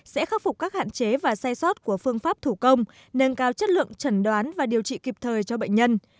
sẽ khắc phục các hạn chế và sai sót của phương pháp thủ công nâng cao chất lượng trần đoán và điều trị kịp thời cho bệnh nhân